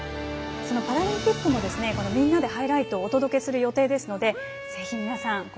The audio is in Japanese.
そのパラリンピックも「みんなでハイライト」をお届けする予定ですのでぜひ皆さん